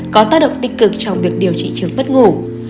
có tác động tích cực trong việc điều trị trường bất ngủ